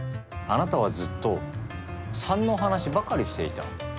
あなたはずっと３の話ばかりしていた。